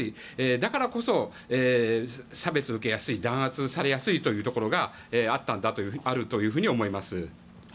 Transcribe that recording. だからこそ、差別を受けやすい弾圧されやすいというところがあると思います。